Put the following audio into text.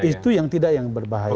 itu yang tidak yang berbahaya